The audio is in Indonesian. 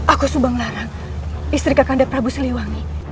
aku subang larang istri kakanda prabu siliwangi